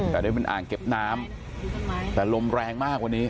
แต่ได้เป็นอ่างเก็บน้ำแต่ลมแรงมากกว่านี้